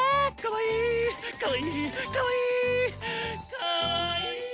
かわいい！